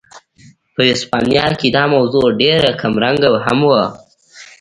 په هسپانیا کې دا موضوع ډېره کمرنګه هم وه.